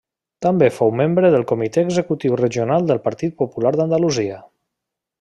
També fou membre del Comité Executiu Regional del Partit Popular d'Andalusia.